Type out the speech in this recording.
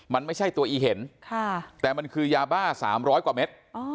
มันไม่ใช่ตัวอีเห็นแต่มันคือยาบ้า๓๐๐กว่าเม็ด